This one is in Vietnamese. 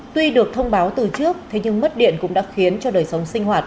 tuy được thông báo từ trước thế nhưng mất điện cũng đã khiến cho đời sống sinh hoạt